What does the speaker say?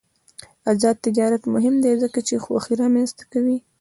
آزاد تجارت مهم دی ځکه چې خوښي رامنځته کوي.